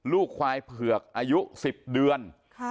ลูกควายเผือกอายุ๑๐เดือน